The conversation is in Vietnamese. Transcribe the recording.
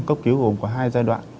cốc cứu gồm có hai giai đoạn